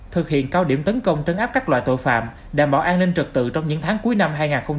thực hiện cao điểm tấn công trấn áp các loại tội phạm đảm bảo an ninh trật tự trong những tháng cuối năm hai nghìn hai mươi ba